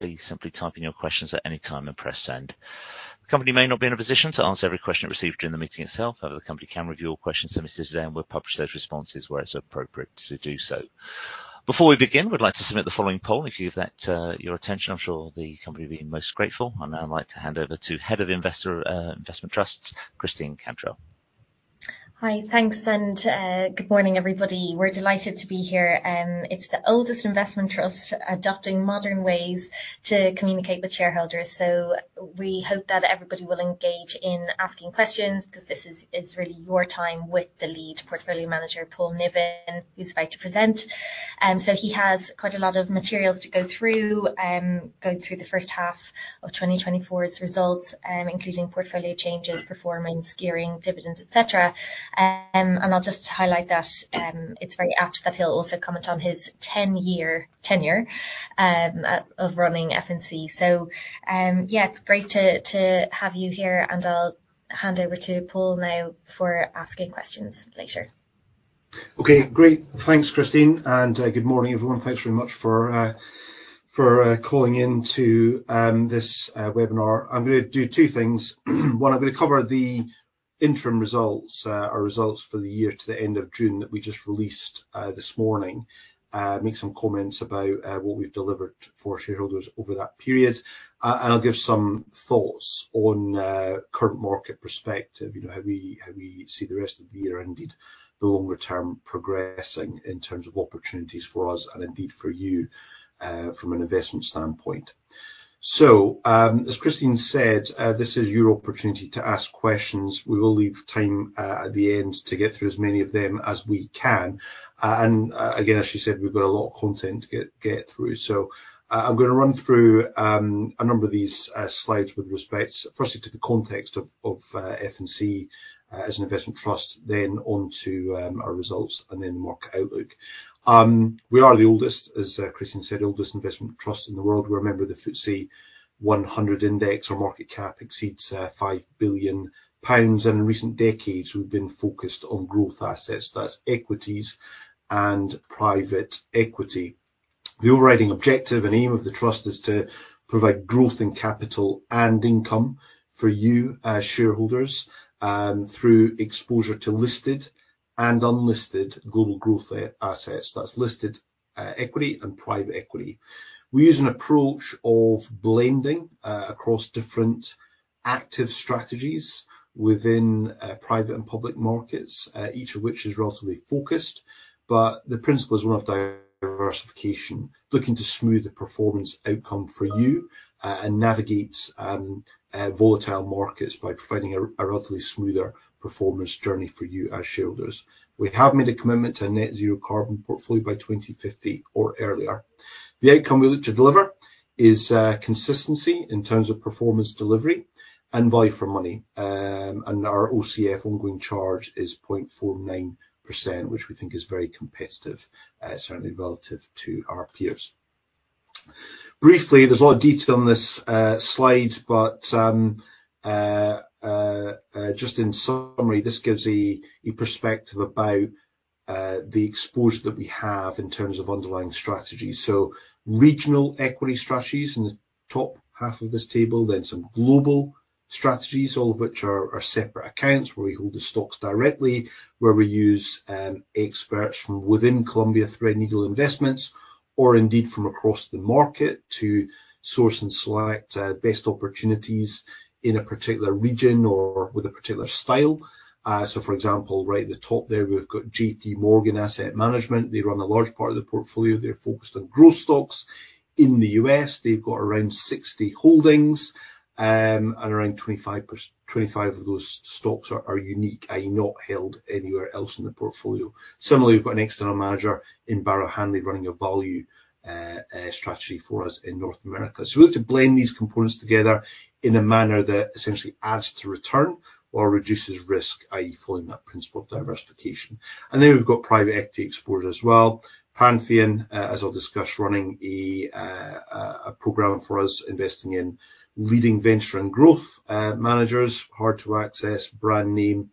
Please simply type in your questions at any time and press send. The company may not be in a position to answer every question it received during the meeting itself; however, the company can review all questions submitted today and will publish those responses where it's appropriate to do so. Before we begin, we'd like to submit the following poll. If you give that your attention, I'm sure the company will be most grateful. And now I'd like to hand over to Head of Investment Trust, Christina Cantrell. Hi, thanks, and good morning, everybody. We're delighted to be here. It's the oldest investment trust adopting modern ways to communicate with shareholders. So we hope that everybody will engage in asking questions because this is really your time with the lead portfolio manager, Paul Niven, who's about to present. So he has quite a lot of materials to go through the first half of 2024's results, including portfolio changes, performance, gearing, dividends, etc. And I'll just highlight that it's very apt that he'll also comment on his 10-year tenure of running F&C. So yeah, it's great to have you here. And I'll hand over to Paul now for asking questions later. Okay, great. Thanks, Christine. Good morning, everyone. Thanks very much for calling in to this webinar. I'm going to do two things. One, I'm going to cover the interim results, our results for the year to the end of June that we just released this morning, make some comments about what we've delivered for shareholders over that period. I'll give some thoughts on current market perspective, how we see the rest of the year and indeed the longer term progressing in terms of opportunities for us and indeed for you from an investment standpoint. As Christine said, this is your opportunity to ask questions. We will leave time at the end to get through as many of them as we can. Again, as she said, we've got a lot of content to get through. I'm going to run through a number of these slides with respect firstly to the context of F&C as an investment trust, then onto our results, and then the market outlook. We are the oldest, as Christine said, oldest investment trust in the world. We're a member of the FTSE 100 Index, our market cap exceeds 5 billion pounds. In recent decades, we've been focused on growth assets. That's equities and private equity. The overriding objective and aim of the trust is to provide growth in capital and income for you as shareholders through exposure to listed and unlisted global growth assets. That's listed equity and private equity. We use an approach of blending across different active strategies within private and public markets, each of which is relatively focused. But the principle is one of diversification, looking to smooth the performance outcome for you and navigate volatile markets by providing a relatively smoother performance journey for you as shareholders. We have made a commitment to a net zero carbon portfolio by 2050 or earlier. The outcome we look to deliver is consistency in terms of performance delivery and value for money. Our OCF ongoing charge is 0.49%, which we think is very competitive, certainly relative to our peers. Briefly, there's a lot of detail on this slide, but just in summary, this gives a perspective about the exposure that we have in terms of underlying strategies. Regional equity strategies in the top half of this table, then some global strategies, all of which are separate accounts where we hold the stocks directly, where we use experts from within Columbia Threadneedle Investments, or indeed from across the market to source and select best opportunities in a particular region or with a particular style. For example, right at the top there, we've got J.P. Morgan Asset Management. They run a large part of the portfolio. They're focused on growth stocks in the U.S. They've got around 60 holdings, and around 25 of those stocks are unique, i.e., not held anywhere else in the portfolio. Similarly, we've got an external manager in Barrow Hanley running a value strategy for us in North America. We look to blend these components together in a manner that essentially adds to return or reduces risk, i.e., following that principle of diversification. And then we've got private equity exposure as well. Pantheon, as I'll discuss, running a program for us investing in leading venture and growth managers, hard to access brand name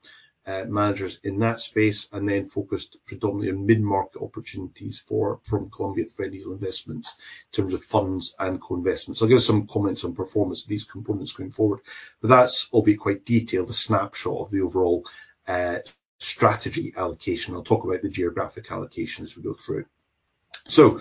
managers in that space, and then focused predominantly on mid-market opportunities from Columbia Threadneedle Investments in terms of funds and co-investments. I'll give some comments on performance of these components going forward. But that'll be quite detailed, a snapshot of the overall strategy allocation. I'll talk about the geographic allocation as we go through. So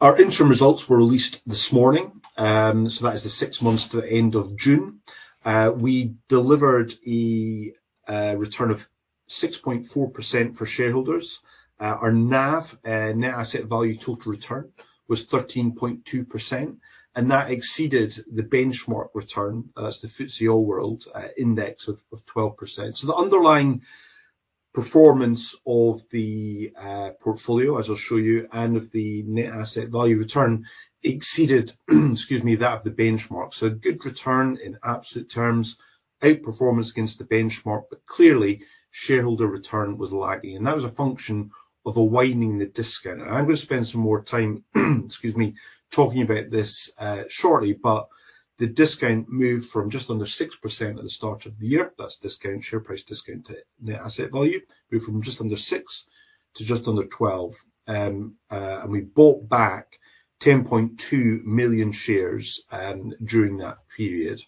our interim results were released this morning. So that is the six months to the end of June. We delivered a return of 6.4% for shareholders. Our NAV, net asset value total return, was 13.2%, and that exceeded the benchmark return. That's the FTSE All-World Index of 12%. So the underlying performance of the portfolio, as I'll show you, and of the net asset value return exceeded, excuse me, that of the benchmark. So good return in absolute terms, outperformance against the benchmark, but clearly shareholder return was lagging. And that was a function of a widening the discount. And I'm going to spend some more time, excuse me, talking about this shortly, but the discount moved from just under 6% at the start of the year, that's discount share price, discount net asset value, moved from just under 6 to just under 12. And we bought back 10.2 million shares during that period.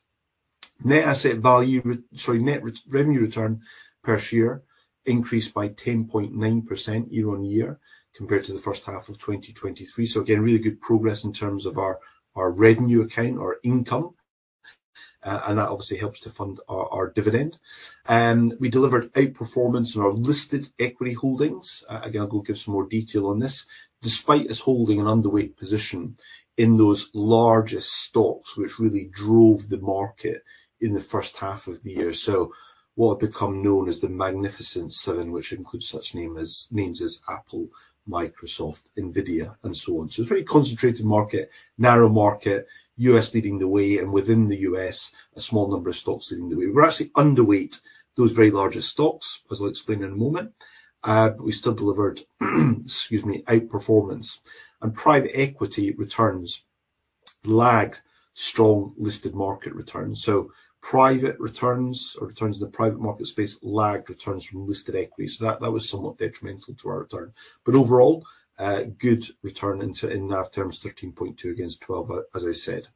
Net asset value, sorry, net revenue return per share increased by 10.9% year on year compared to the first half of 2023. So again, really good progress in terms of our revenue account, our income, and that obviously helps to fund our dividend. We delivered outperformance in our listed equity holdings. Again, I'll give some more detail on this, despite us holding an underweight position in those largest stocks, which really drove the market in the first half of the year. So what had become known as the Magnificent Seven, which includes such names as Apple, Microsoft, Nvidia, and so on. So it's a very concentrated market, narrow market, U.S. leading the way, and within the U.S., a small number of stocks leading the way. We're actually underweight those very largest stocks, as I'll explain in a moment. But we still delivered, excuse me, outperformance. And private equity returns lag strong listed market returns. So private returns or returns in the private market space lag returns from listed equity. So that was somewhat detrimental to our return. But overall, good return in NAV terms, 13.2 against 12, as I said.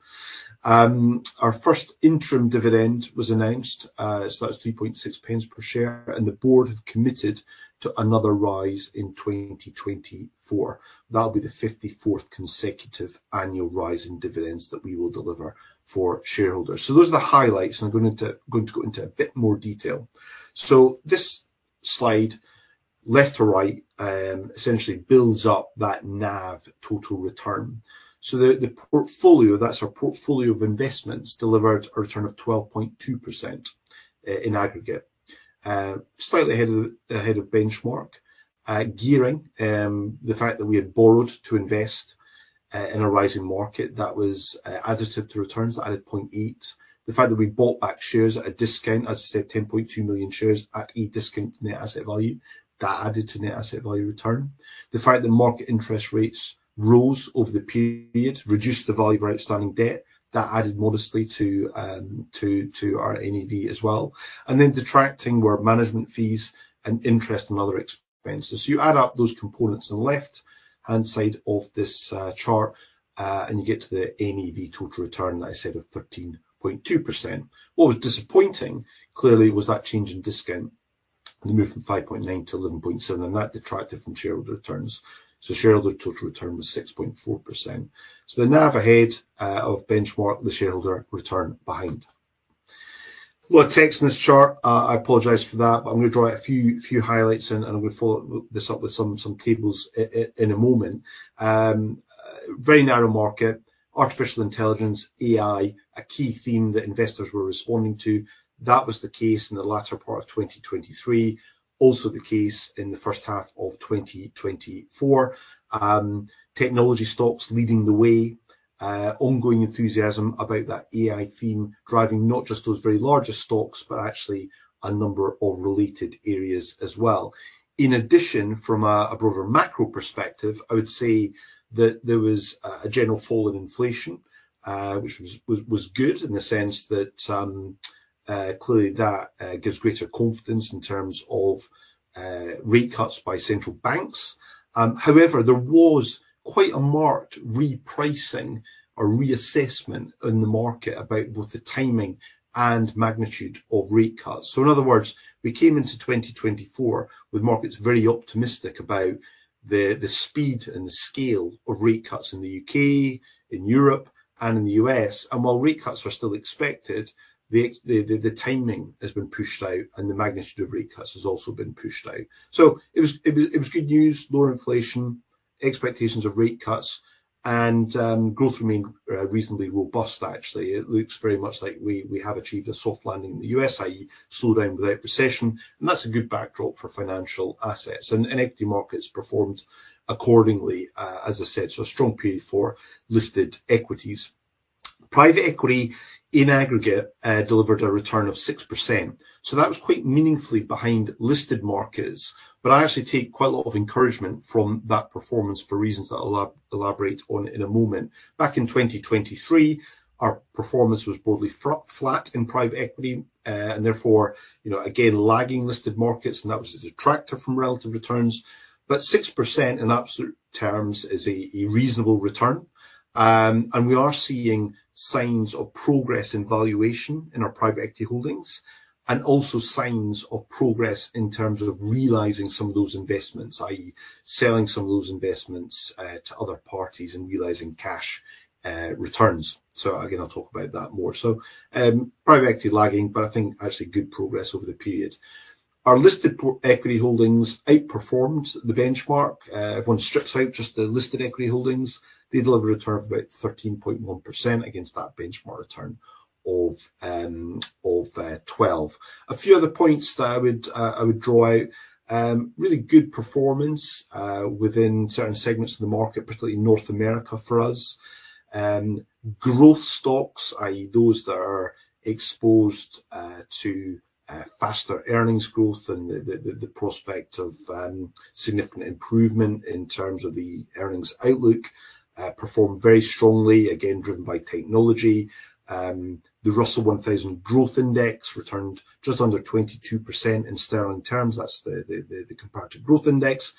Our first interim dividend was announced. That was 3.6 pence per share. The board had committed to another rise in 2024. That will be the 54th consecutive annual rise in dividends that we will deliver for shareholders. Those are the highlights. I'm going to go into a bit more detail. This slide left to right essentially builds up that NAV total return. The portfolio, that's our portfolio of investments, delivered a return of 12.2% in aggregate, slightly ahead of benchmark. Gearing, the fact that we had borrowed to invest in a rising market, that was additive to returns. That added 0.8. The fact that we bought back shares at a discount, as I said, 10.2 million shares at a discount net asset value, that added to net asset value return. The fact that market interest rates rose over the period reduced the value of outstanding debt; that added modestly to our NAV as well. Then detracting were management fees and interest and other expenses. So you add up those components on the left-hand side of this chart, and you get to the NAV total return that I said of 13.2%. What was disappointing, clearly, was that change in discount, the move from 5.9% to 11.7%, and that detracted from shareholder returns. So shareholder total return was 6.4%. So the NAV ahead of benchmark, the shareholder return behind. A lot of text in this chart. I apologize for that, but I'm going to draw a few highlights in, and I'm going to follow this up with some tables in a moment. Very narrow market, artificial intelligence, AI, a key theme that investors were responding to. That was the case in the latter part of 2023. Also the case in the first half of 2024. Technology stocks leading the way, ongoing enthusiasm about that AI theme driving not just those very largest stocks, but actually a number of related areas as well. In addition, from a broader macro perspective, I would say that there was a general fall in inflation, which was good in the sense that clearly that gives greater confidence in terms of rate cuts by central banks. However, there was quite a marked repricing or reassessment in the market about both the timing and magnitude of rate cuts. So in other words, we came into 2024 with markets very optimistic about the speed and the scale of rate cuts in the U.K., in Europe, and in the U.S. While rate cuts are still expected, the timing has been pushed out, and the magnitude of rate cuts has also been pushed out. It was good news, lower inflation, expectations of rate cuts, and growth remained reasonably robust, actually. It looks very much like we have achieved a soft landing in the U.S., i.e., slowdown without recession. That's a good backdrop for financial assets. Equity markets performed accordingly, as I said, so a strong period for listed equities. Private equity in aggregate delivered a return of 6%. That was quite meaningfully behind listed markets. But I actually take quite a lot of encouragement from that performance for reasons that I'll elaborate on in a moment. Back in 2023, our performance was broadly flat in private equity, and therefore, again, lagging listed markets, and that was a detractor from relative returns. But 6% in absolute terms is a reasonable return. And we are seeing signs of progress in valuation in our private equity holdings, and also signs of progress in terms of realizing some of those investments, i.e., selling some of those investments to other parties and realising cash returns. So again, I'll talk about that more. So private equity lagging, but I think actually good progress over the period. Our listed equity holdings outperformed the benchmark. If one strips out just the listed equity holdings, they delivered a return of about 13.1% against that benchmark return of 12%. A few other points that I would draw out. Really good performance within certain segments of the market, particularly North America for us. Growth stocks, i.e., those that are exposed to faster earnings growth and the prospect of significant improvement in terms of the earnings outlook, performed very strongly, again, driven by technology. The Russell 1000 Growth Index returned just under 22% in sterling terms. That's the comparative growth index.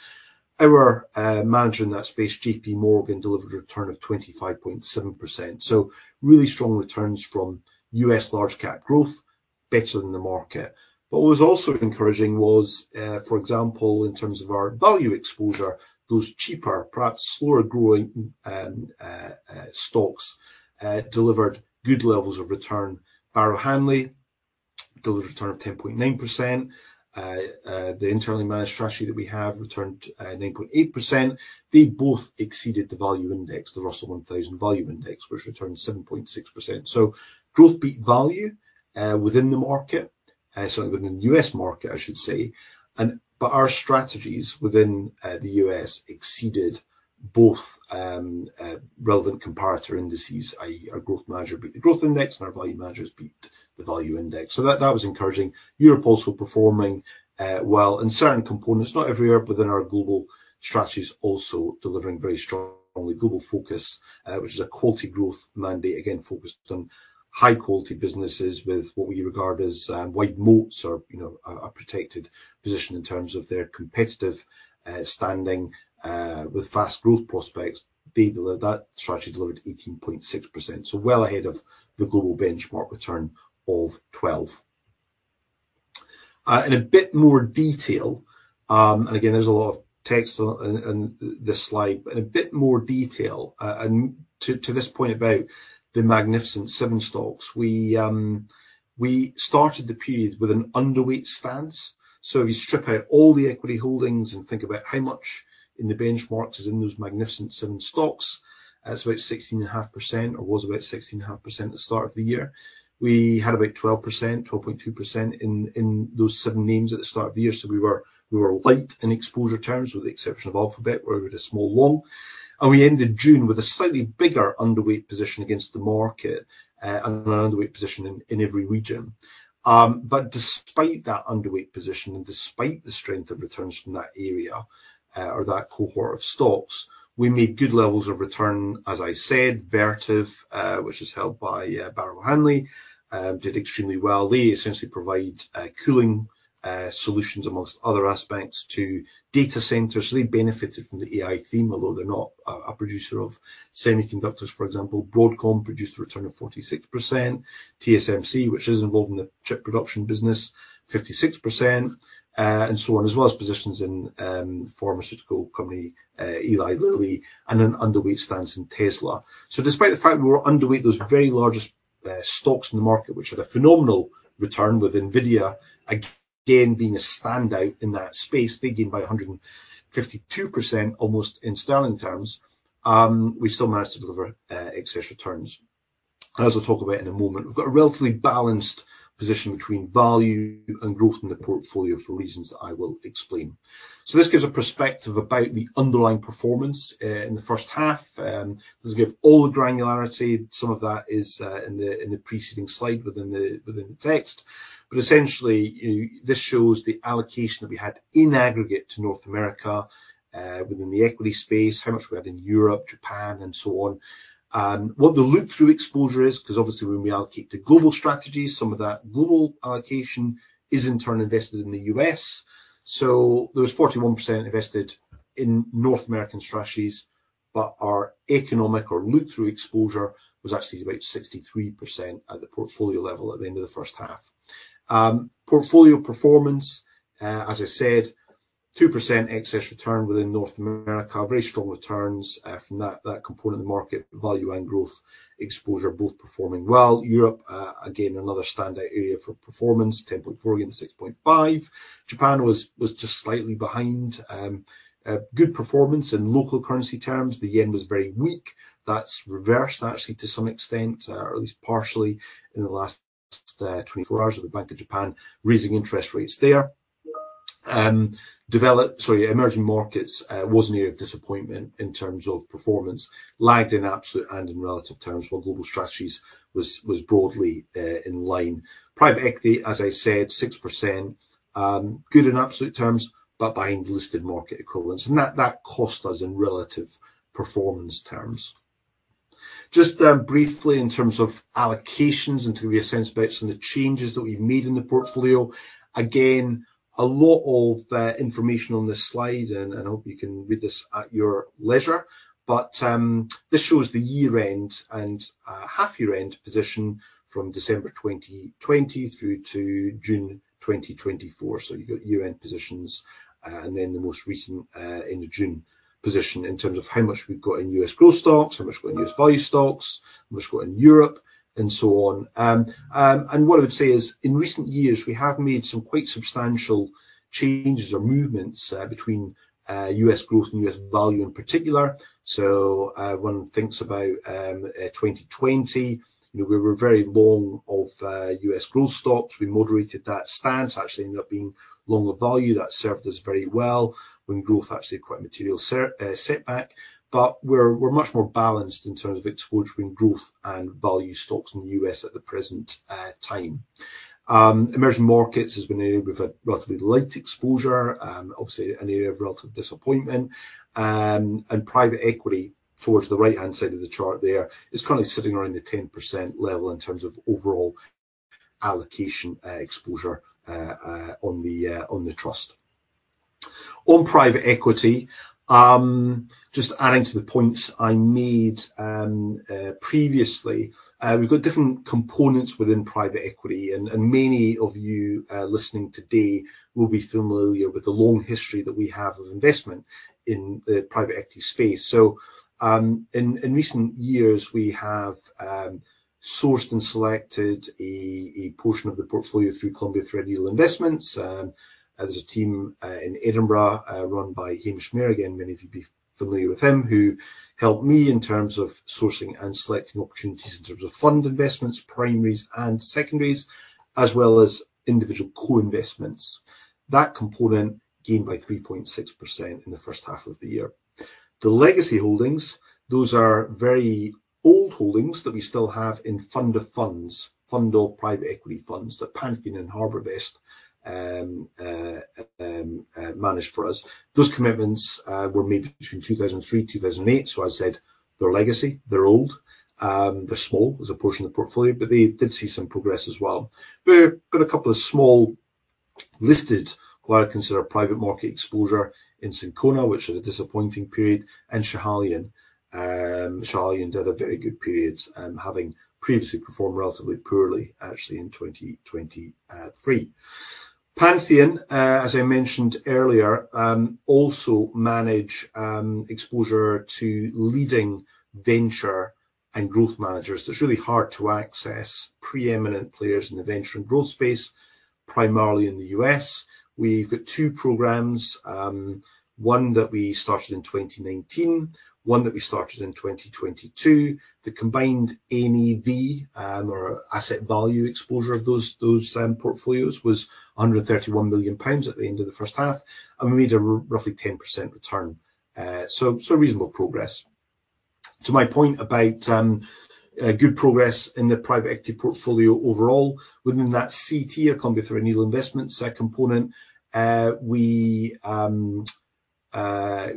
Our manager in that space, J.P. Morgan, delivered a return of 25.7%. So really strong returns from US large-cap growth, better than the market. But what was also encouraging was, for example, in terms of our value exposure, those cheaper, perhaps slower-growing stocks delivered good levels of return. Barrow Hanley delivered a return of 10.9%. The internally managed strategy that we have returned 9.8%. They both exceeded the value index, the Russell 1000 Value Index, which returned 7.6%. So growth beat value within the market, certainly within the US market, I should say. But our strategies within the U.S. exceeded both relevant comparator indices, i.e., our growth manager beat the growth index, and our value managers beat the value index. So that was encouraging. Europe also performing well in certain components, not everywhere, but within our global strategies also delivering very strongly. Global Focus, which is a quality growth mandate, again, focused on high-quality businesses with what we regard as wide moats or a protected position in terms of their competitive standing with fast growth prospects, that strategy delivered 18.6%. So well ahead of the global benchmark return of 12%. In a bit more detail, and again, there's a lot of text on this slide, in a bit more detail to this point about the Magnificent Seven stocks, we started the period with an underweight stance. So if you strip out all the equity holdings and think about how much in the benchmarks is in those Magnificent Seven stocks, that's about 16.5% or was about 16.5% at the start of the year. We had about 12%, 12.2% in those seven names at the start of the year. So we were light in exposure terms with the exception of Alphabet, where we were a small long. And we ended June with a slightly bigger underweight position against the market and an underweight position in every region. But despite that underweight position and despite the strength of returns from that area or that cohort of stocks, we made good levels of return. As I said, Vertiv, which is held by Barrow Hanley, did extremely well. They essentially provide cooling solutions among other aspects to data centers. So they benefited from the AI theme, although they're not a producer of semiconductors, for example. Broadcom produced a return of 46%. TSMC, which is involved in the chip production business, 56%, and so on, as well as positions in pharmaceutical company Eli Lilly and an underweight stance in Tesla. So despite the fact we were underweight those very largest stocks in the market, which had a phenomenal return with Nvidia, again, being a standout in that space, they gained by 152% almost in sterling terms. We still managed to deliver excess returns. As I'll talk about in a moment, we've got a relatively balanced position between value and growth in the portfolio for reasons that I will explain. So this gives a perspective about the underlying performance in the first half. This gives all the granularity. Some of that is in the preceding slide within the text. But essentially, this shows the allocation that we had in aggregate to North America within the equity space, how much we had in Europe, Japan, and so on. What the look-through exposure is, because obviously when we allocate to global strategies, some of that global allocation is in turn invested in the US. So there was 41% invested in North American strategies, but our economic or look-through exposure was actually about 63% at the portfolio level at the end of the first half. Portfolio performance, as I said, 2% excess return within North America, very strong returns from that component, the value and growth exposure, both performing well. Europe, again, another standout area for performance, 10.4% against 6.5%. Japan was just slightly behind. Good performance in local currency terms. The yen was very weak. That's reversed actually to some extent, or at least partially in the last 24 hours of the Bank of Japan raising interest rates there. Emerging markets was an area of disappointment in terms of performance, lagged in absolute and in relative terms while global strategies was broadly in line. Private equity, as I said, 6%, good in absolute terms, but behind listed market equivalents. And that cost us in relative performance terms. Just briefly in terms of allocations and to give you a sense about some of the changes that we made in the portfolio. Again, a lot of information on this slide, and I hope you can read this at your leisure. But this shows the year-end and half-year-end position from December 2020 through to June 2024. So you've got year-end positions and then the most recent end of June position in terms of how much we've got in U.S. growth stocks, how much we've got in U.S. value stocks, how much we've got in Europe, and so on. And what I would say is in recent years, we have made some quite substantial changes or movements between U.S. growth and U.S. value in particular. So when one thinks about 2020, we were very long of U.S. growth stocks. We moderated that stance, actually ended up being long of value. That served us very well when growth actually had quite a material setback. But we're much more balanced in terms of exposure between growth and value stocks in the U.S. at the present time. Emerging markets has been an area with a relatively light exposure, obviously an area of relative disappointment. Private equity towards the right-hand side of the chart there is currently sitting around the 10% level in terms of overall allocation exposure on the trust. On private equity, just adding to the points I made previously, we've got different components within private equity. Many of you listening today will be familiar with the long history that we have of investment in the private equity space. In recent years, we have sourced and selected a portion of the portfolio through Columbia Threadneedle Investments. There's a team in Edinburgh run by Hamish Mair, many of you be familiar with him, who helped me in terms of sourcing and selecting opportunities in terms of fund investments, primaries and secondaries, as well as individual co-investments. That component gained by 3.6% in the first half of the year. The legacy holdings, those are very old holdings that we still have in fund of funds, fund of private equity funds that Pantheon and HarbourVest managed for us. Those commitments were made between 2003 and 2008. So I said they're legacy, they're old, they're small as a portion of the portfolio, but they did see some progress as well. We've got a couple of small listed what I consider private market exposure in Syncona, which had a disappointing period, and Schiehallion. Schiehallion did a very good period, having previously performed relatively poorly, actually in 2023. Pantheon, as I mentioned earlier, also manages exposure to leading venture and growth managers. It's really hard to access preeminent players in the venture and growth space, primarily in the U.S. We've got two programs, one that we started in 2019, one that we started in 2022. The combined NAV, or asset value exposure of those portfolios, was 131 million pounds at the end of the first half. We made a roughly 10% return. Reasonable progress. To my point about good progress in the private equity portfolio overall, within that CTI, Columbia Threadneedle Investments component, we saw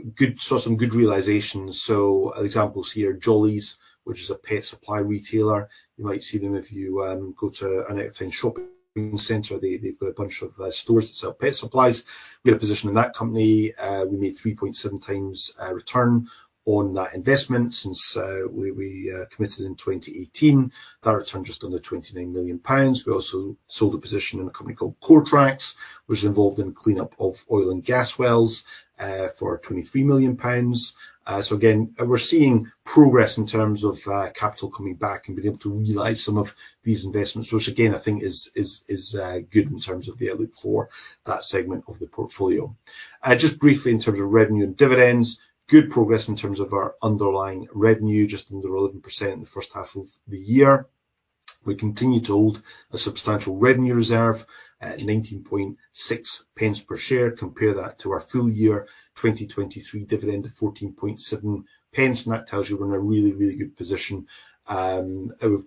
some good realizations. Examples here, Jollyes, which is a pet supply retailer. You might see them if you go to an out-of-town shopping center. They've got a bunch of stores that sell pet supplies. We had a position in that company. We made 3.7x return on that investment since we committed in 2018. That returned just under 29 million pounds. We also sold a position in a company called Coretrax, which is involved in cleanup of oil and gas wells for 23 million pounds. So again, we're seeing progress in terms of capital coming back and being able to realise some of these investments, which again, I think is good in terms of the outlook for that segment of the portfolio. Just briefly in terms of revenue and dividends, good progress in terms of our underlying revenue, just under 11% in the first half of the year. We continue to hold a substantial revenue reserve, 19.6 per share. Compare that to our full-year 2023 dividend of 14.7. And that tells you we're in a really, really good position. We've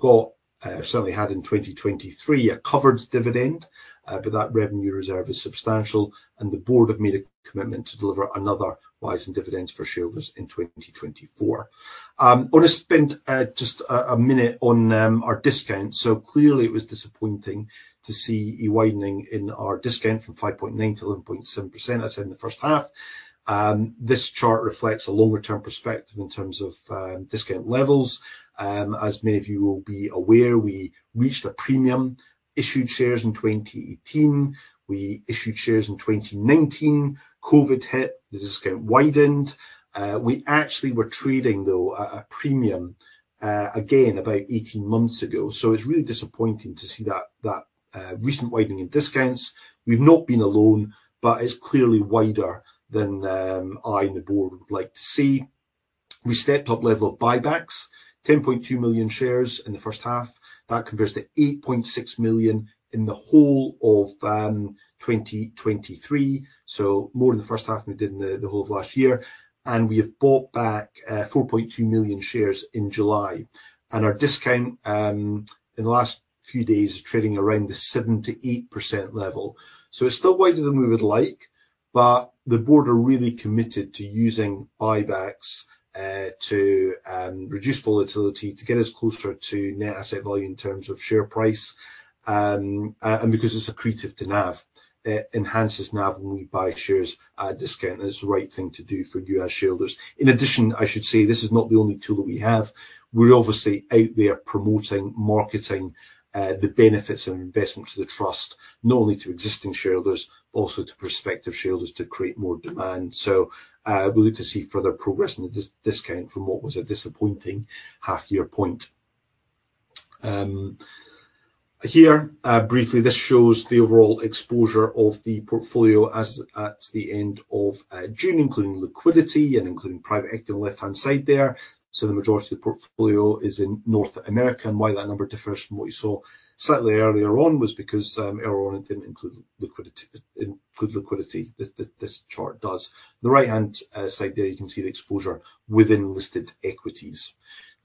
certainly had in 2023 a covered dividend, but that revenue reserve is substantial. And the board have made a commitment to deliver another rising dividends for shareholders in 2024. I want to spend just a minute on our discounts. So clearly, it was disappointing to see a widening in our discount from 5.9%-11.7%, as I said in the first half. This chart reflects a longer-term perspective in terms of discount levels. As many of you will be aware, we reached a premium issued shares in 2018. We issued shares in 2019. COVID hit. The discount widened. We actually were trading, though, at a premium again about 18 months ago. So it's really disappointing to see that recent widening in discounts. We've not been alone, but it's clearly wider than I and the board would like to see. We stepped up level of buybacks, 10.2 million shares in the first half. That converged to 8.6 million in the whole of 2023. So more than the first half we did in the whole of last year. And we have bought back 4.2 million shares in July. Our discount in the last few days is trading around the 7%-8% level. So it's still wider than we would like, but the board are really committed to using buybacks to reduce volatility, to get us closer to Net Asset Value in terms of share price. And because it's accretive to NAV, it enhances NAV when we buy shares at a discount. And it's the right thing to do for U.S. shareholders. In addition, I should say this is not the only tool that we have. We're obviously out there promoting, marketing the benefits of investing in the trust, not only to existing shareholders, but also to prospective shareholders to create more demand. So we'll look to see further progress in the discount from what was a disappointing half-year point. Here, briefly, this shows the overall exposure of the portfolio at the end of June, including liquidity and including private equity on the left-hand side there. So the majority of the portfolio is in North America. And why that number differs from what you saw slightly earlier on was because earlier on it didn't include liquidity. This chart does. On the right-hand side there, you can see the exposure within listed equities.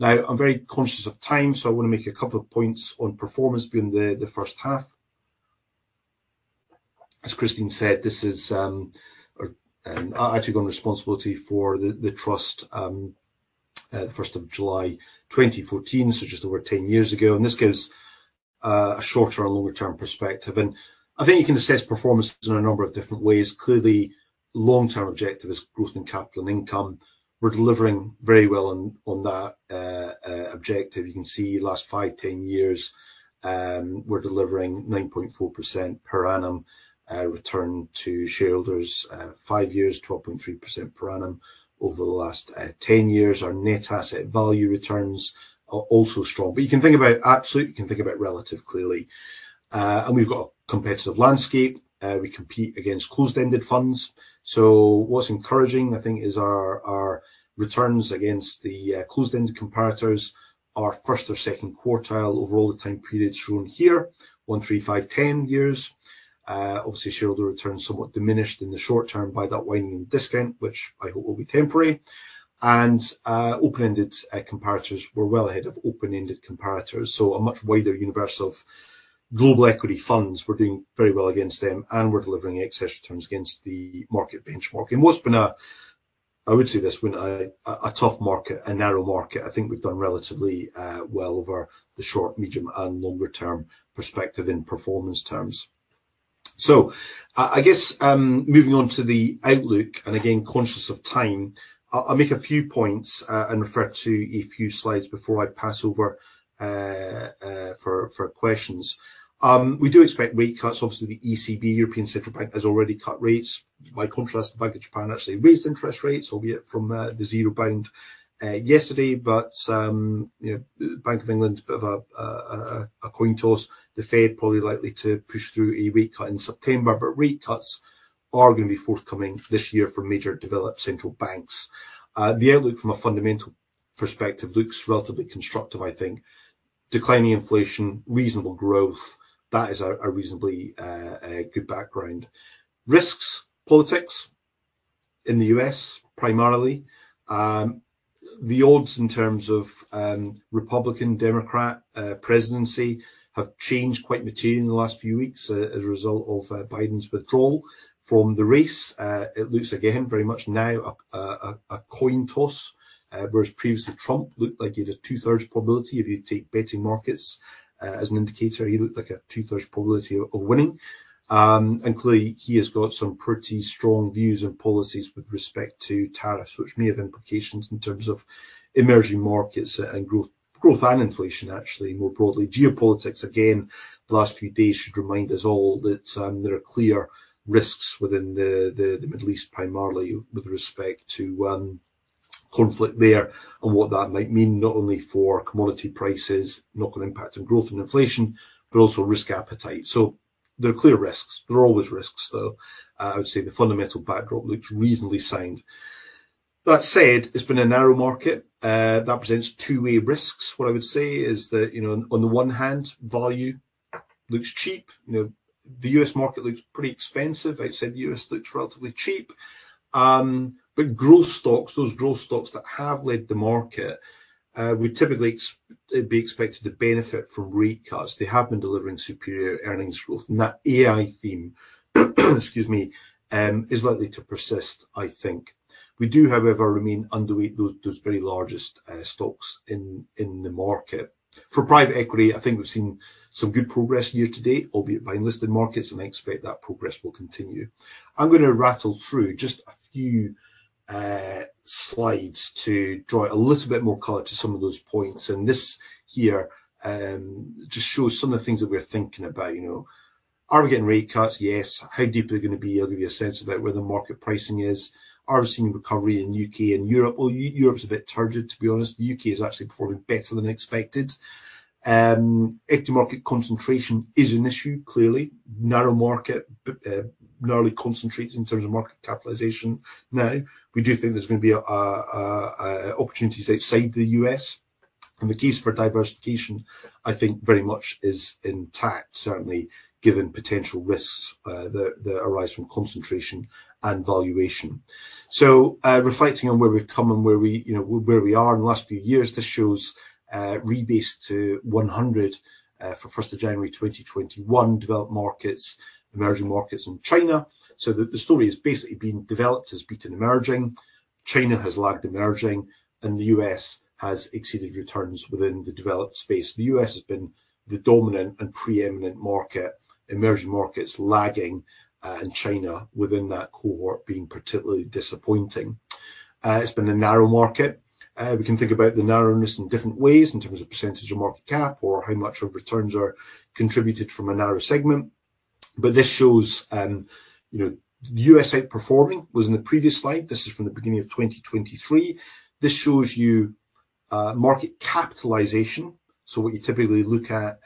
Now, I'm very conscious of time, so I want to make a couple of points on performance in the first half. As Christine said, this is actually on responsibility for the trust the 1st of July 2014, so just over 10 years ago. And this gives a shorter and longer-term perspective. And I think you can assess performance in a number of different ways. Clearly, long-term objective is growth in capital and income. We're delivering very well on that objective. You can see last 5, 10 years, we're delivering 9.4% per annum return to shareholders. Five years, 12.3% per annum over the last 10 years. Our Net Asset Value returns are also strong. But you can think about absolute, you can think about relative clearly. And we've got a competitive landscape. We compete against closed-ended funds. So what's encouraging, I think, is our returns against the closed-ended comparators are first or second quartile over all the time periods shown here, 1, 3, 5, 10 years. Obviously, shareholder returns somewhat diminished in the short term by that widening discount, which I hope will be temporary. And open-ended comparators were well ahead of open-ended comparators. So a much wider universe of global equity funds. We're doing very well against them, and we're delivering excess returns against the market benchmark. And what's been a, I would say this went, a tough market, a narrow market. I think we've done relatively well over the short, medium, and longer-term perspective in performance terms. So I guess moving on to the outlook, and again, conscious of time, I'll make a few points and refer to a few slides before I pass over for questions. We do expect rate cuts. Obviously, the ECB, European Central Bank, has already cut rates. By contrast, the Bank of Japan actually raised interest rates, albeit from the zero bound yesterday. But the Bank of England is a bit of a coin toss. The Fed probably likely to push through a rate cut in September. But rate cuts are going to be forthcoming this year from major developed central banks. The outlook from a fundamental perspective looks relatively constructive, I think. Declining inflation, reasonable growth. That is a reasonably good background. Risks, politics in the U.S., primarily. The odds in terms of Republican-Democrat presidency have changed quite materially in the last few weeks as a result of Biden's withdrawal from the race. It looks again very much now a coin toss, whereas previously Trump looked like he had a 2/3 probability. If you take betting markets as an indicator, he looked like a 2/3 probability of winning. And clearly, he has got some pretty strong views and policies with respect to tariffs, which may have implications in terms of emerging markets and growth and inflation, actually, more broadly. Geopolitics, again, the last few days should remind us all that there are clear risks within the Middle East, primarily with respect to conflict there and what that might mean, not only for commodity prices, knock-on impact on growth and inflation, but also risk appetite. So there are clear risks. There are always risks, though. I would say the fundamental backdrop looks reasonably sound. That said, it's been a narrow market. That presents two-way risks. What I would say is that, on the one hand, value looks cheap. The U.S. market looks pretty expensive. Outside the U.S., it looks relatively cheap. But growth stocks, those growth stocks that have led the market, would typically be expected to benefit from rate cuts. They have been delivering superior earnings growth. And that AI theme, excuse me, is likely to persist, I think. We do, however, remain underweight those very largest stocks in the market. For private equity, I think we've seen some good progress year-to-date, albeit in listed markets. And I expect that progress will continue. I'm going to rattle through just a few slides to draw a little bit more color to some of those points. This here just shows some of the things that we're thinking about. Are we getting rate cuts? Yes. How deep are they going to be? I'll give you a sense about where the market pricing is. Are we seeing recovery in the UK and Europe? Well, Europe's a bit targeted, to be honest. The UK is actually performing better than expected. Equity market concentration is an issue, clearly. Narrow market, narrowly concentrated in terms of market capitalization. Now, we do think there's going to be opportunities outside the U.S. The case for diversification, I think, very much is intact, certainly, given potential risks that arise from concentration and valuation. So reflecting on where we've come and where we are in the last few years, this shows rebased to 100 for 1st of January 2021, developed markets, emerging markets and China. So the story has basically been developed has beaten emerging. China has lagged emerging, and the U.S. has exceeded returns within the developed space. The U.S. has been the dominant and preeminent market, emerging markets lagging, and China within that cohort being particularly disappointing. It's been a narrow market. We can think about the narrowness in different ways in terms of percentage of market cap or how much of returns are contributed from a narrow segment. But this shows the U.S. outperforming as in the previous slide. This is from the beginning of 2023. This shows you market capitalization. So what you typically look at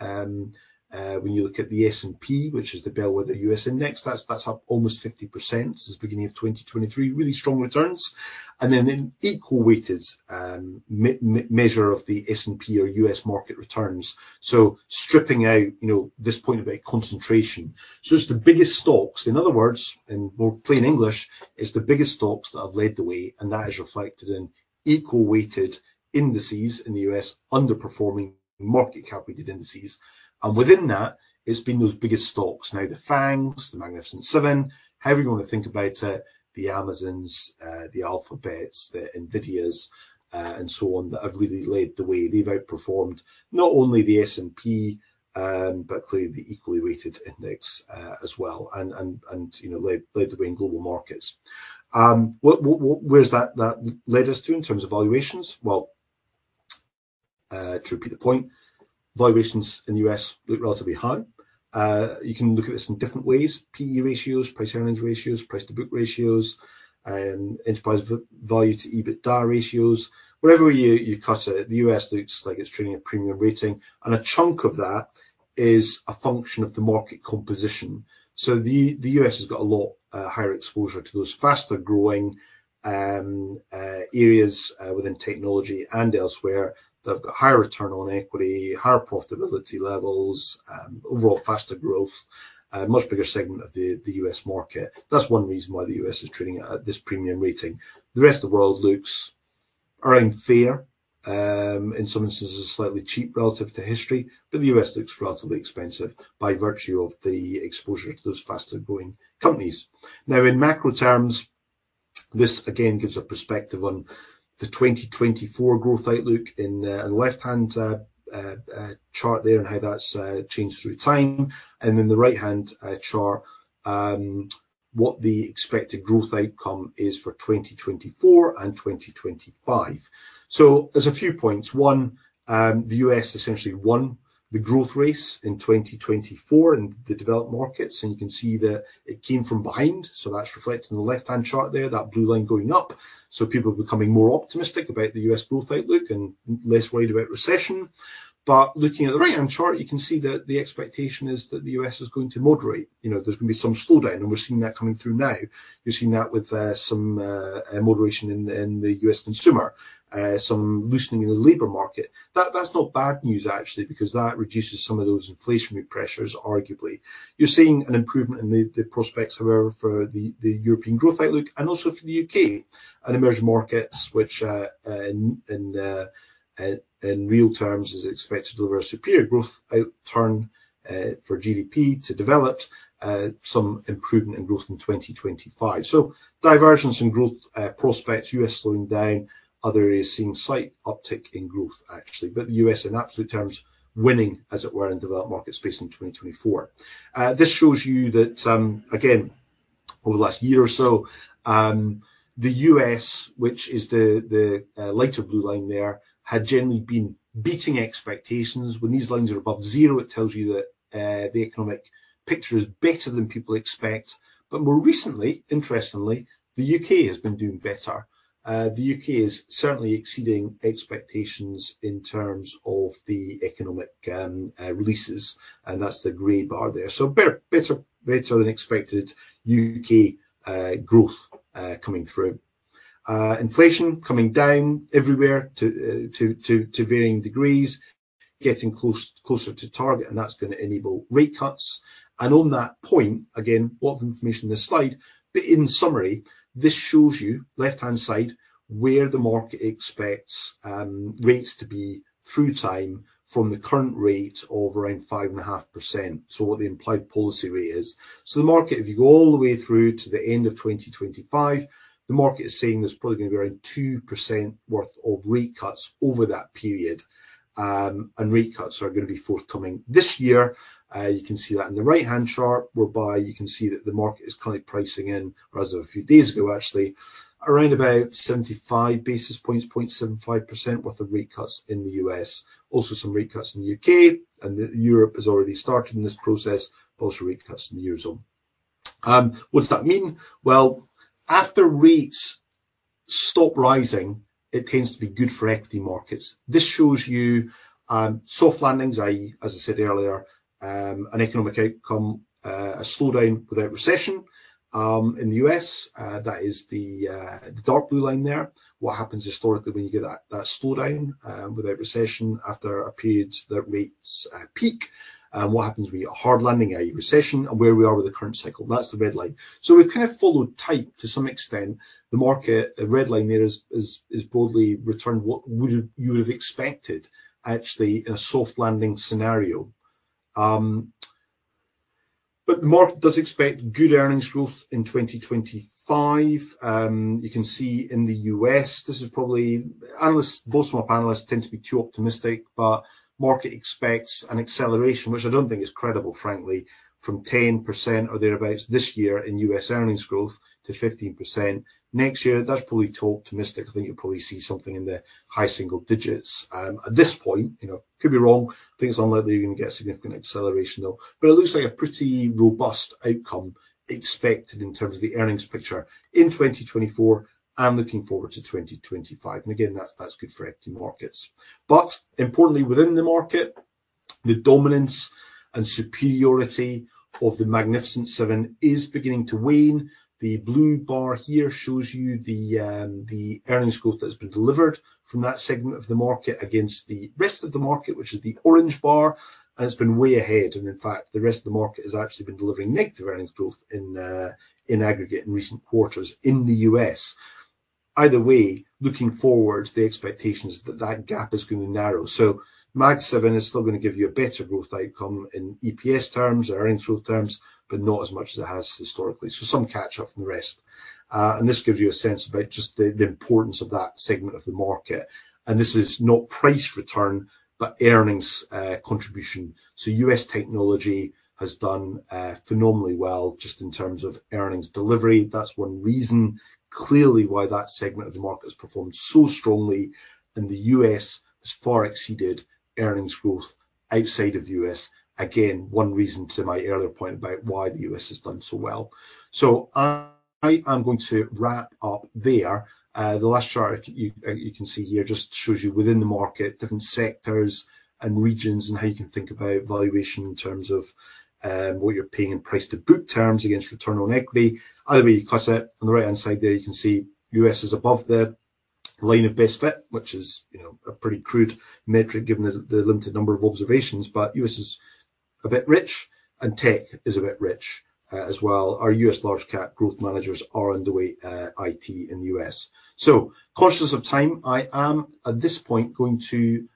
when you look at the S&P, which is the bellwether US Index, that's up almost 50% since the beginning of 2023. Really strong returns. And then an equal-weighted measure of the S&P or US market returns. So stripping out this point about concentration. So it's the biggest stocks. In other words, in more plain English, it's the biggest stocks that have led the way. And that is reflected in equal-weighted indices in the US, underperforming market-cap-weighted indices. And within that, it's been those biggest stocks. Now, the FAANGs, the Magnificent Seven, however you want to think about it, the Amazons, the Alphabets, the Nvidia's, and so on that have really led the way. They've outperformed not only the S&P, but clearly the equally-weighted index as well, and led the way in global markets. Where's that led us to in terms of valuations? Well, to repeat the point, valuations in the U.S. look relatively high. You can look at this in different ways. P/E ratios, price-earnings ratios, price-to-book ratios, enterprise value-to-EBITDA ratios. Wherever you cut it, the U.S. looks like it's trading a premium rating. And a chunk of that is a function of the market composition. So the U.S. has got a lot higher exposure to those faster-growing areas within technology and elsewhere that have got higher return on equity, higher profitability levels, overall faster growth, a much bigger segment of the U.S. market. That's one reason why the U.S. is trading at this premium rating. The rest of the world looks around fair. In some instances, slightly cheap relative to history. But the U.S. looks relatively expensive by virtue of the exposure to those faster-growing companies. Now, in macro terms, this again gives a perspective on the 2024 growth outlook in the left-hand chart there and how that's changed through time. In the right-hand chart, what the expected growth outcome is for 2024 and 2025. So there's a few points. One, the U.S. essentially won the growth race in 2024 in the developed markets. And you can see that it came from behind. So that's reflected in the left-hand chart there, that blue line going up. So people are becoming more optimistic about the U.S. growth outlook and less worried about recession. But looking at the right-hand chart, you can see that the expectation is that the U.S. is going to moderate. There's going to be some slowdown. And we're seeing that coming through now. You're seeing that with some moderation in the U.S. consumer, some loosening in the labor market. That's not bad news, actually, because that reduces some of those inflationary pressures, arguably. You're seeing an improvement in the prospects, however, for the European growth outlook and also for the UK and emerging markets, which in real terms is expected to deliver a superior growth outcome for GDP to develop some improvement in growth in 2025. So divergence in growth prospects, US slowing down, other areas seeing slight uptick in growth, actually. But the US, in absolute terms, winning, as it were, in developed market space in 2024. This shows you that, again, over the last year or so, the US, which is the lighter blue line there, had generally been beating expectations. When these lines are above zero, it tells you that the economic picture is better than people expect. But more recently, interestingly, the UK has been doing better. The U.K. is certainly exceeding expectations in terms of the economic releases. And that's the grey bar there. So better than expected U.K. growth coming through. Inflation coming down everywhere to varying degrees, getting closer to target. And that's going to enable rate cuts. And on that point, again, a lot of information in this slide. But in summary, this shows you, left-hand side, where the market expects rates to be through time from the current rate of around 5.5%, so what the implied policy rate is. So the market, if you go all the way through to the end of 2025, the market is saying there's probably going to be around 2% worth of rate cuts over that period. And rate cuts are going to be forthcoming this year. You can see that in the right-hand chart, whereby you can see that the market is currently pricing in, as of a few days ago, actually, around about 75 basis points, 0.75% worth of rate cuts in the U.S. Also some rate cuts in the U.K. Europe has already started in this process, but also rate cuts in the Eurozone. What does that mean? Well, after rates stop rising, it tends to be good for equity markets. This shows you soft landings, i.e., as I said earlier, an economic outcome, a slowdown without recession in the U.S. That is the dark blue line there. What happens historically when you get that slowdown without recession after a period that rates peak? What happens when you get a hard landing, i.e., recession, and where we are with the current cycle? That's the red line. So we've kind of followed tight to some extent. The market, the red line there is broadly returned what you would have expected, actually, in a soft landing scenario. But the market does expect good earnings growth in 2025. You can see in the U.S., this is probably analysts, most of my panelists tend to be too optimistic, but market expects an acceleration, which I don't think is credible, frankly, from 10% or thereabouts this year in U.S. earnings growth to 15% next year. That's probably too optimistic. I think you'll probably see something in the high single digits at this point. Could be wrong. Things unlikely are going to get a significant acceleration, though. But it looks like a pretty robust outcome expected in terms of the earnings picture in 2024 and looking forward to 2025. And again, that's good for equity markets. But importantly, within the market, the dominance and superiority of the Magnificent Seven is beginning to wane. The blue bar here shows you the earnings growth that has been delivered from that segment of the market against the rest of the market, which is the orange bar. It's been way ahead. In fact, the rest of the market has actually been delivering negative earnings growth in aggregate in recent quarters in the U.S. Either way, looking forward, the expectation is that that gap is going to narrow. Mag Seven is still going to give you a better growth outcome in EPS terms or earnings growth terms, but not as much as it has historically. Some catch-up from the rest. This gives you a sense about just the importance of that segment of the market. This is not price return, but earnings contribution. So US technology has done phenomenally well just in terms of earnings delivery. That's one reason, clearly, why that segment of the market has performed so strongly in the US, has far exceeded earnings growth outside of the US. Again, one reason to my earlier point about why the US has done so well. So I am going to wrap up there. The last chart you can see here just shows you within the market, different sectors and regions, and how you can think about valuation in terms of what you're paying in price-to-book terms against return on equity. Either way, you cut it. On the right-hand side there, you can see US is above the line of best fit, which is a pretty crude metric given the limited number of observations. But US is a bit rich, and tech is a bit rich as well. Our U.S. large-cap growth managers are under way at IT in the U.S. So conscious of time, I am at this point going to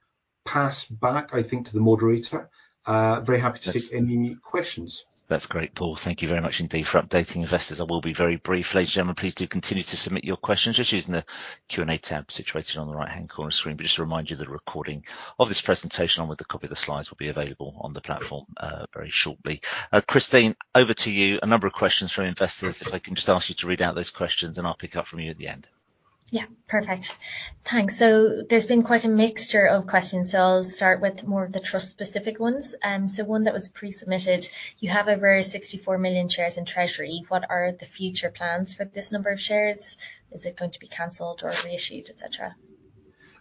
pass back, I think, to the moderator. Very happy to take any questions. That's great, Paul. Thank you very much indeed for updating investors. I will be very brief. Ladies and gentlemen, please do continue to submit your questions. You're choosing the Q&A tab situated on the right-hand corner screen. But just to remind you that a recording of this presentation, along with a copy of the slides, will be available on the platform very shortly. Christine, over to you. A number of questions from investors. If I can just ask you to read out those questions, and I'll pick up from you at the end. Yeah, perfect. Thanks. So there's been quite a mixture of questions. So I'll start with more of the trust-specific ones. So one that was pre-submitted. You have over 64 million shares in Treasury. What are the future plans for this number of shares? Is it going to be cancelled or reissued, etc.?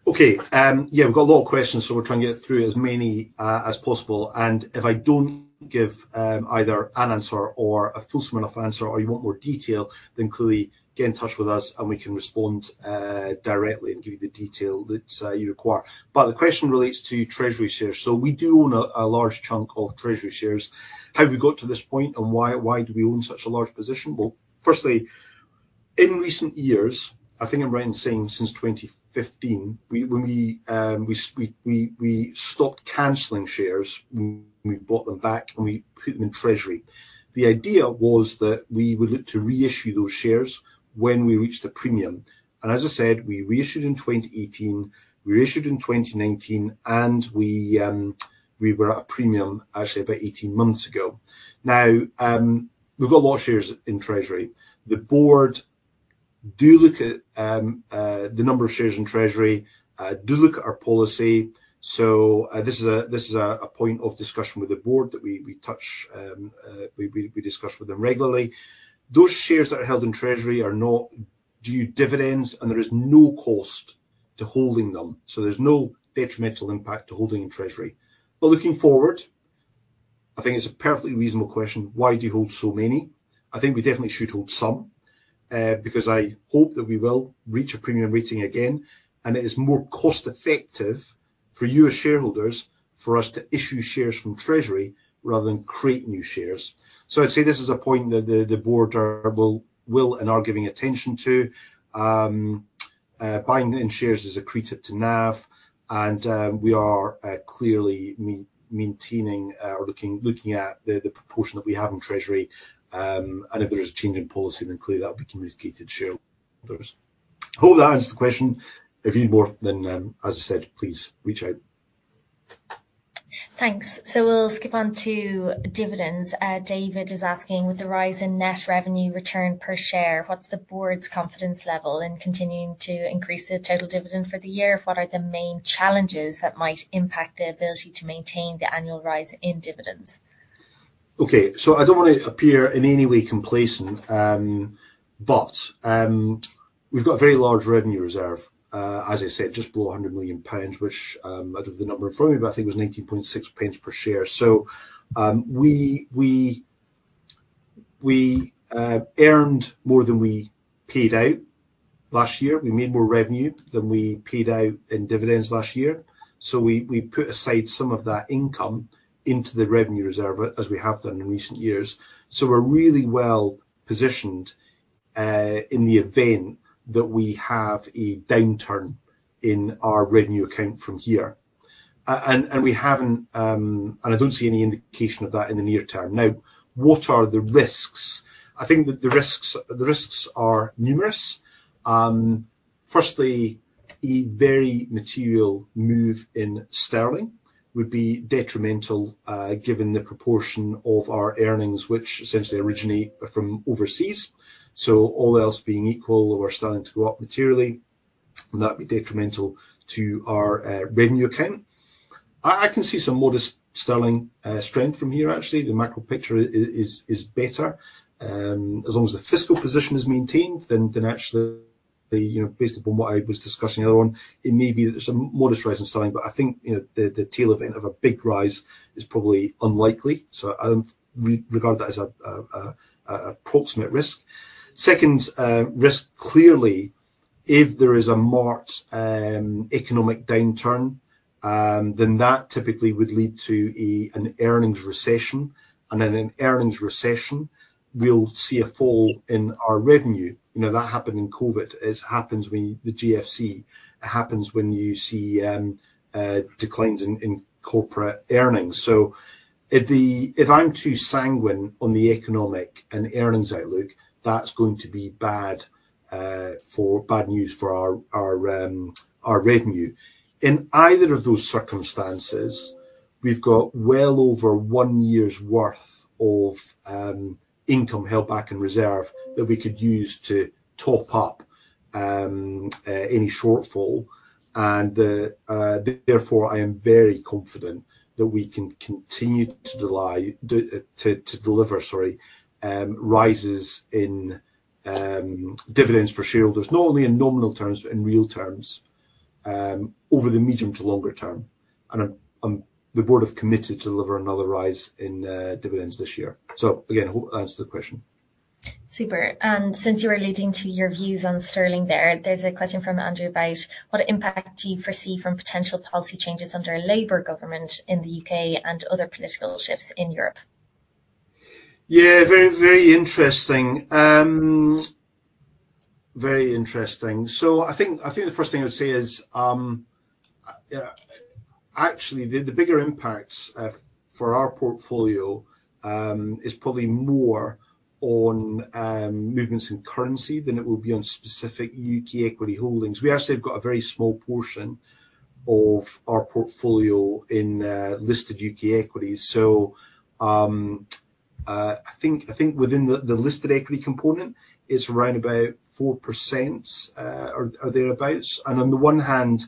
Okay. Yeah, we've got a lot of questions, so we're trying to get through as many as possible. And if I don't give either an answer or a full summary of answer or you want more detail, then clearly get in touch with us, and we can respond directly and give you the detail that you require. But the question relates to Treasury shares. So we do own a large chunk of Treasury shares. How have we got to this point, and why do we own such a large position? Well, firstly, in recent years, I think I'm right in saying since 2015, when we stopped cancelling shares, we bought them back, and we put them in Treasury. The idea was that we would look to reissue those shares when we reached a premium. And as I said, we reissued in 2018. We reissued in 2019, and we were at a premium, actually, about 18 months ago. Now, we've got a lot of shares in Treasury. The board do look at the number of shares in Treasury, do look at our policy. So this is a point of discussion with the board that we touch. We discuss with them regularly. Those shares that are held in Treasury are not due dividends, and there is no cost to holding them. So there's no detrimental impact to holding in Treasury. But looking forward, I think it's a perfectly reasonable question. Why do you hold so many? I think we definitely should hold some because I hope that we will reach a premium rating again. It is more cost-effective for you as shareholders for us to issue shares from Treasury rather than create new shares. I'd say this is a point that the board will and are giving attention to. Buying in shares is accretive to NAV. We are clearly maintaining or looking at the proportion that we have in Treasury. If there is a change in policy, then clearly that will be communicated to shareholders. Hope that answers the question. If you need more, then, as I said, please reach out. Thanks. We'll skip on to dividends. David is asking, with the rise in net revenue return per share, what's the board's confidence level in continuing to increase the total dividend for the year? What are the main challenges that might impact their ability to maintain the annual rise in dividends? Okay. So I don't want to appear in any way complacent, but we've got a very large revenue reserve, as I said, just below 100 million pounds, which out of the number in front of me, but I think it was 19.6 per share. So we earned more than we paid out last year. We made more revenue than we paid out in dividends last year. So we put aside some of that income into the revenue reserve as we have done in recent years. So we're really well positioned in the event that we have a downturn in our revenue account from here. And we haven't, and I don't see any indication of that in the near term. Now, what are the risks? I think that the risks are numerous. Firstly, a very material move in sterling would be detrimental given the proportion of our earnings, which essentially originate from overseas. So all else being equal, we're starting to go up materially. That would be detrimental to our revenue account. I can see some modest sterling strength from here, actually. The macro picture is better. As long as the fiscal position is maintained, then actually, based upon what I was discussing earlier on, it may be that there's a modest rise in sterling. But I think the tail event of a big rise is probably unlikely. So I regard that as an approximate risk. Second risk, clearly, if there is a marked economic downturn, then that typically would lead to an earnings recession. Then an earnings recession, we'll see a fall in our revenue. That happened in COVID. It happens when the GFC. It happens when you see declines in corporate earnings. So if I'm too sanguine on the economic and earnings outlook, that's going to be bad news for our revenue. In either of those circumstances, we've got well over one year's worth of income held back in reserve that we could use to top up any shortfall. And therefore, I am very confident that we can continue to deliver, sorry, rises in dividends for shareholders, not only in nominal terms, but in real terms over the medium to longer term. And the board have committed to deliver another rise in dividends this year. So again, hope that answers the question. Super. And since you were leading to your views on sterling there, there's a question from Andrew about what impact do you foresee from potential policy changes under a Labour government in the U.K. and other political shifts in Europe? Yeah, very interesting. Very interesting. So I think the first thing I would say is, actually, the bigger impact for our portfolio is probably more on movements in currency than it will be on specific U.K. equity holdings. We actually have got a very small portion of our portfolio in listed U.K. equities. So I think within the listed equity component, it's around about 4% or thereabouts. And on the one hand,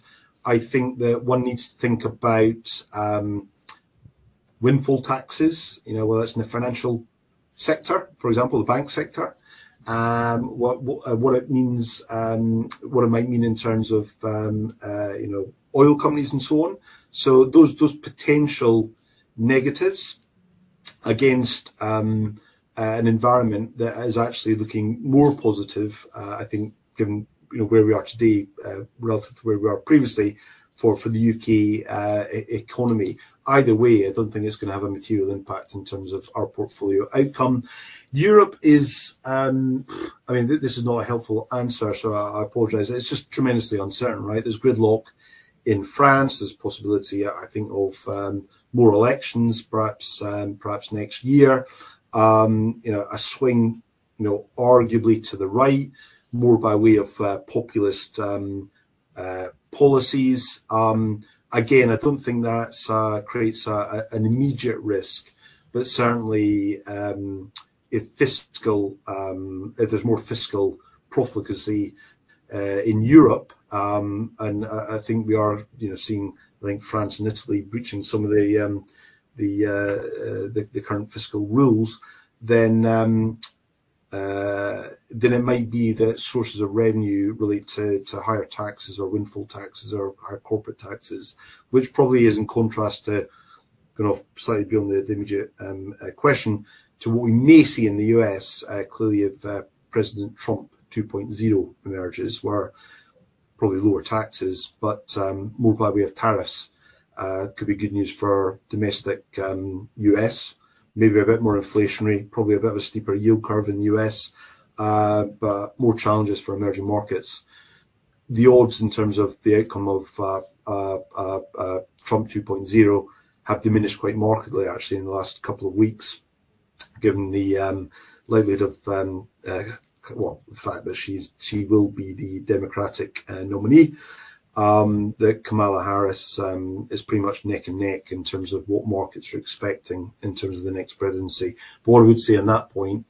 I think that one needs to think about windfall taxes, whether that's in the financial sector, for example, the bank sector, what it means, what it might mean in terms of oil companies and so on. So those potential negatives against an environment that is actually looking more positive, I think, given where we are today relative to where we were previously for the U.K. economy. Either way, I don't think it's going to have a material impact in terms of our portfolio outcome. Europe is, I mean, this is not a helpful answer, so I apologize. It's just tremendously uncertain, right? There's gridlock in France. There's possibility, I think, of more elections, perhaps next year, a swing arguably to the right, more by way of populist policies. Again, I don't think that creates an immediate risk. But certainly, if there's more fiscal profligacy in Europe, and I think we are seeing, I think, France and Italy breaching some of the current fiscal rules, then it might be that sources of revenue relate to higher taxes or windfall taxes or higher corporate taxes, which probably is in contrast to, slightly beyond the immediate question, to what we may see in the U.S., clearly, if President Trump 2.0 emerges, where probably lower taxes, but more by way of tariffs could be good news for domestic U.S., maybe a bit more inflationary, probably a bit of a steeper yield curve in the U.S., but more challenges for emerging markets. The odds in terms of the outcome of Trump 2.0 have diminished quite markedly, actually, in the last couple of weeks, given the likelihood of, well, the fact that she will be the Democratic nominee, that Kamala Harris is pretty much neck and neck in terms of what markets are expecting in terms of the next presidency. But what I would say on that point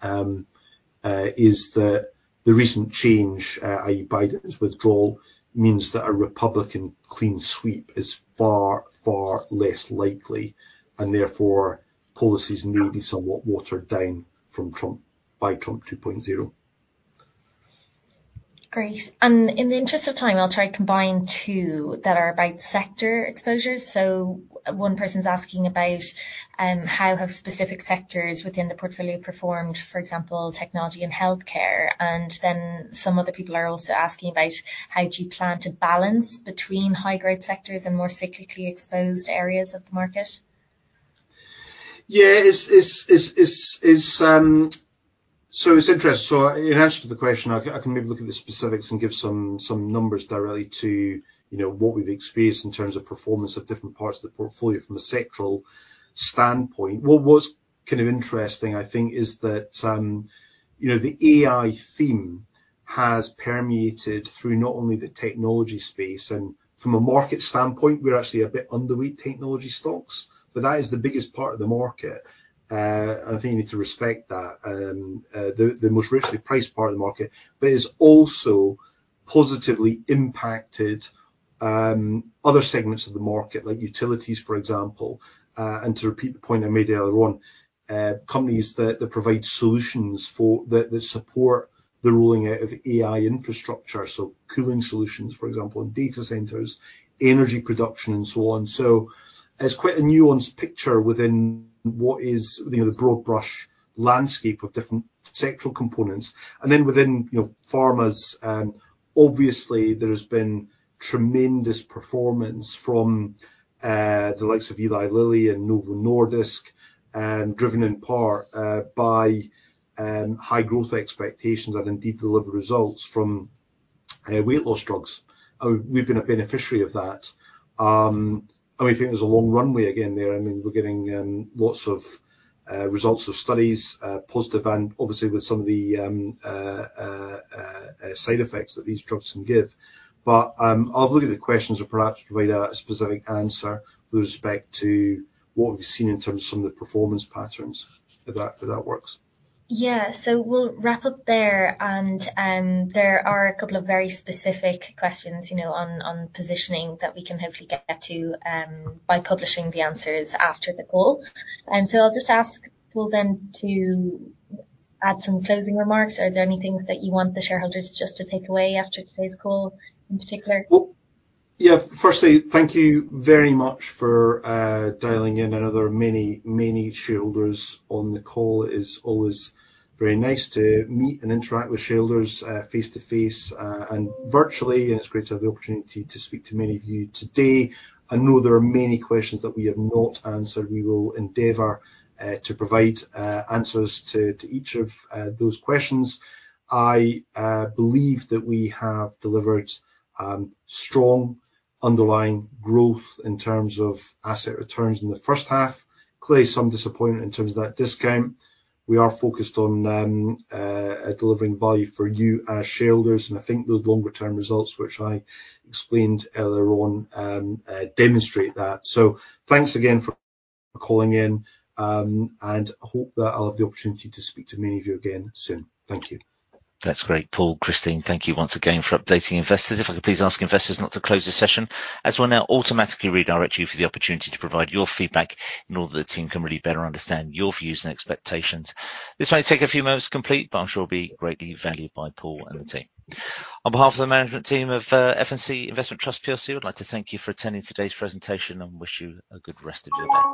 is that the recent change, i.e., Biden's withdrawal, means that a Republican clean sweep is far, far less likely. And therefore, policies may be somewhat watered down by Trump 2.0. Great. And in the interest of time, I'll try to combine two that are about sector exposures. So one person's asking about how have specific sectors within the portfolio performed, for example, technology and healthcare. And then some other people are also asking about how do you plan to balance between high-grade sectors and more cyclically exposed areas of the market? Yeah. So it's interesting. So in answer to the question, I can maybe look at the specifics and give some numbers directly to what we've experienced in terms of performance of different parts of the portfolio from a sectoral standpoint. Well, what's kind of interesting, I think, is that the AI theme has permeated through not only the technology space. And from a market standpoint, we're actually a bit underweight technology stocks. But that is the biggest part of the market. And I think you need to respect that, the most recently priced part of the market. But it has also positively impacted other segments of the market, like utilities, for example. To repeat the point I made earlier on, companies that provide solutions that support the rolling out of AI infrastructure, so cooling solutions, for example, in data centers, energy production, and so on. So it's quite a nuanced picture within what is the broad brush landscape of different sectoral components. And then within pharmas, obviously, there has been tremendous performance from the likes of Eli Lilly and Novo Nordisk, driven in part by high growth expectations that indeed deliver results from weight loss drugs. We've been a beneficiary of that. And we think there's a long runway again there. I mean, we're getting lots of results of studies, positive, and obviously with some of the side effects that these drugs can give. But I'll look at the questions and perhaps provide a specific answer with respect to what we've seen in terms of some of the performance patterns, if that works. Yeah. So we'll wrap up there. And there are a couple of very specific questions on positioning that we can hopefully get to by publishing the answers after the call. And so I'll just ask people then to add some closing remarks. Are there any things that you want the shareholders just to take away after today's call in particular? Yeah. Firstly, thank you very much for dialing in. And there are many, many shareholders on the call. It is always very nice to meet and interact with shareholders face to face and virtually. And it's great to have the opportunity to speak to many of you today. I know there are many questions that we have not answered. We will endeavor to provide answers to each of those questions. I believe that we have delivered strong underlying growth in terms of asset returns in the first half. Clearly, some disappointment in terms of that discount. We are focused on delivering value for you as shareholders. And I think those longer-term results, which I explained earlier on, demonstrate that. So thanks again for calling in. And I hope that I'll have the opportunity to speak to many of you again soon. Thank you. That's great. Paul, Christine, thank you once again for updating investors. If I could please ask investors not to close the session, as we'll now automatically redirect you for the opportunity to provide your feedback in order that the team can really better understand your views and expectations. This might take a few moments to complete, but I'm sure it'll be greatly valued by Paul and the team. On behalf of the management team of F&C Investment Trust PLC, I'd like to thank you for attending today's presentation and wish you a good rest of your day.